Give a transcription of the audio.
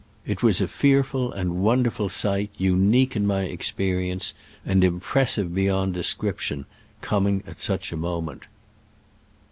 It was a fearful and wonderful sight, unique in my experience, and impressive beyond description, coming at such a moment.